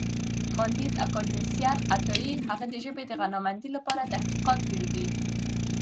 کانديد اکاډميسن عطايي هغه د ژبې د غنامندۍ لپاره تحقیقات کړي دي.